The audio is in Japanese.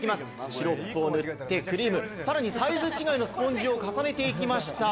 白く塗ってクリーム、サイズ違いのスポンジを重ねていきました。